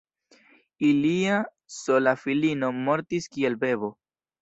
Ilia sola filino mortis kiel bebo.